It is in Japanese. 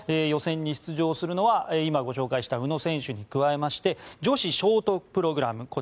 予選に出場するのは今ご紹介した選手に加えまして女子ショートプログラム。